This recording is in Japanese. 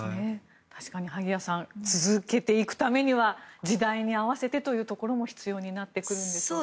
萩谷さん続けていくためには時代に合わせてというところも必要になってくるんですかね。